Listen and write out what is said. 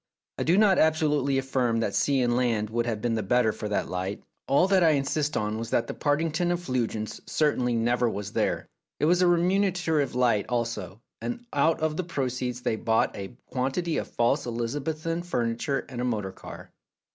I do not absolutely affirm that sea and land would have been the better for that light ; all that I insist on was that the Partington effulgence certainly never was there. It was a re munerative light also, and out of the proceeds they bought a quantity of false Elizabethan furniture and a motor car.